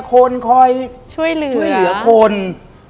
ดิงกระพวน